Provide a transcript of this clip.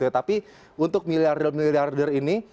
tapi untuk miliarder miliarder ini